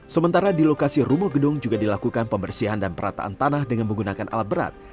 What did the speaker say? sementara di lokasi rumah gedung juga dilakukan pembersihan dan perataan tanah dengan menggunakan alat berat